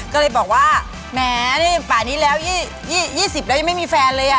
ก็เลยบอกว่าแหมนี่ป่านี้แล้ว๒๐แล้วยังไม่มีแฟนเลย